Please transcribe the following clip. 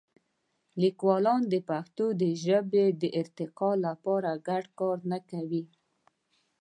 لیکوالان د پښتو ژبې د ارتقا لپاره ګډ کار نه کوي.